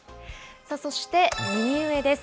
そして、右上です。